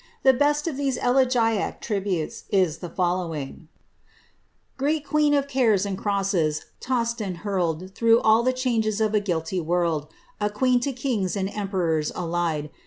The best of these elegiac tributes, is the fol lowing :—Great queen of cares and crosses, tossed and hurled Through all the changes of a guilty world, A queen to kings and emperors allied.